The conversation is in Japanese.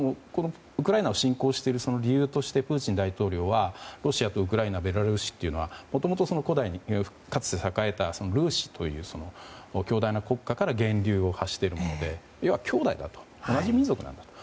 ウクライナを侵攻している理由としてプーチン大統領はロシアとウクライナベラルーシというのはもともと古来、かつて栄えた強大な国家から源流を発しているので要はきょうだいだと同じ民族なんだと。